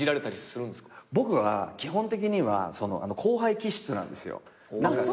僕は基本的には後輩気質なんですよ。